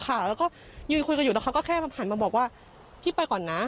แล้วก็ยืนคุยกันอยู่แต่เขาก็แค่หันมาบอกว่าพี่ไปก่อนนะ